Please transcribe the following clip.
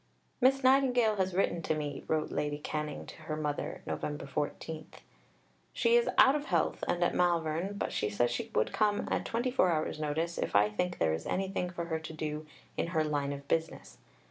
"Miss Nightingale has written to me," wrote Lady Canning to her mother (Nov. 14); "she is out of health and at Malvern, but says she would come at twenty four hours' notice if I think there is anything for her to do in her 'line of business.'